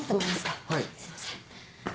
すいません。